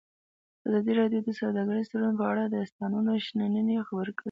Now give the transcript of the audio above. ازادي راډیو د سوداګریز تړونونه په اړه د استادانو شننې خپرې کړي.